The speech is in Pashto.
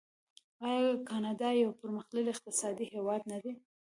آیا کاناډا یو پرمختللی اقتصادي هیواد نه دی؟